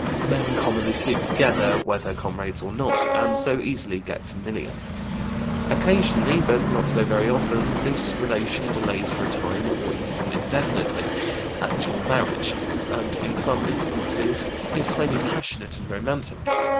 Men commonly sleep together, whether comrades or not, and so easily get familiar. Occasionally, but not so very often, this relation delays for a time, or even indefinitely, actual marriage, and in some instances is highly passionate and romantic.